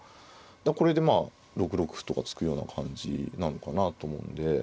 これでまあ６六歩とか突くような感じなのかなと思うんで。